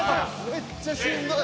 めっちゃしんどい。